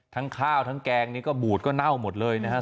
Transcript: ข้าวทั้งแกงนี้ก็บูดก็เน่าหมดเลยนะครับ